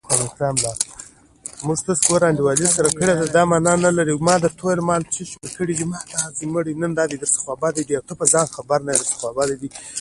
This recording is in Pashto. دوی د امریکا د لويديځ د یوه ځوان د تقدیرولو لپاره راغلي وو